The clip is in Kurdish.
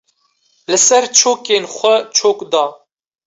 Li ser çokên xwe çok da.